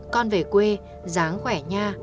con về quê dáng khỏe nha